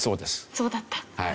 そうだった。